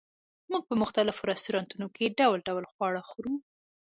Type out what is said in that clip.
موږ په مختلفو رستورانتونو کې ډول ډول خواړه خورو